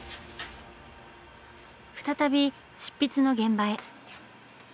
再び執筆の現場へ。